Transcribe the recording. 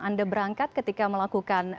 anda berangkat ketika melakukan